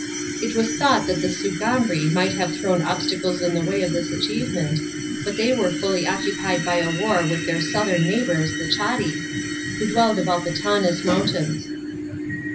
It was thought that the Sugambri mi^ht have thrown obstacles in the way of this achievement, but they were fully occupied by a war with their southern neighbours, the Chatti, who dwelled about the Taunus Mountains.